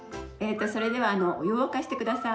それではお湯を沸かして下さい。